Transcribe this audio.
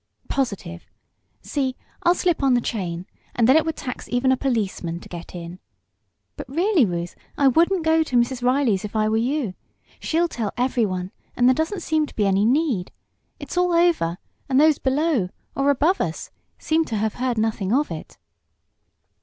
"Positive! See, I'll slip on the chain, and then it would tax even a policeman to get in. But, really, Ruth, I wouldn't go to Mrs. Reilley's if I were you. She'll tell everyone, and there doesn't seem to be any need. It's all over, and those below, or above us, seem to have heard nothing of it."